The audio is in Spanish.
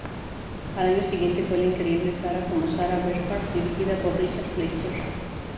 Al año siguiente fue "La increíble Sarah" como Sarah Bernhardt dirigida por Richard Fleischer.